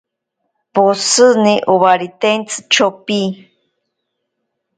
Poshini owaritentsi chopi.